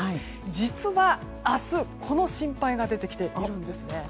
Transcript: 実は、明日この心配が出てきているんです。